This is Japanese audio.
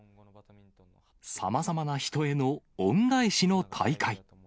さまざまな人への恩返しの大会。